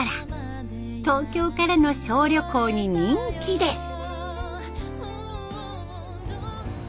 東京からの小旅行に人気です。